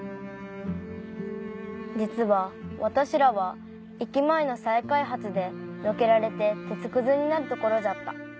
「実は私らは駅前の再開発でのけられて鉄くずになるところじゃった。